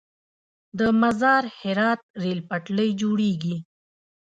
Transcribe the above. د مزار - هرات ریل پټلۍ جوړیږي؟